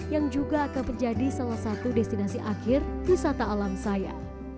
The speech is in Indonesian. yang juga akan menjadi salah satu destinasi akhir wisata alam saya